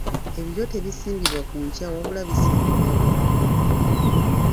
Ebiryo tebisimbibwa ku nkya wabula bisimbibwa lwaggulo.